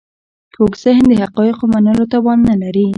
کوږ ذهن د حقایقو منلو توان نه لري